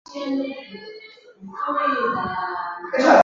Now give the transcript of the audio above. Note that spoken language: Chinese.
此半壳型结构可有效的将气动力分布到机体各处。